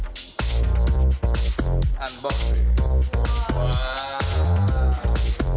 teknologi permainan yang menggabungkan kesenangan bermain video game